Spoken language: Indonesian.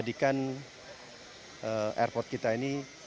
genarnya ini ergonistis